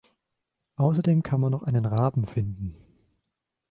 Außerdem kann man noch einen Raben finden.